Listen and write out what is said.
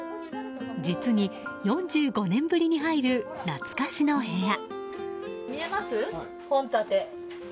実に４５年ぶりに入る懐かしの部屋。